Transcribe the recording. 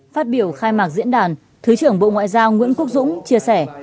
phát biểu khai mạc diễn đàn thứ trưởng bộ ngoại giao nguyễn quốc dũng chia sẻ